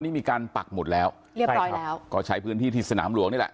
นี่มีการปักหมดแล้วเรียบร้อยแล้วก็ใช้พื้นที่ที่สนามหลวงนี่แหละ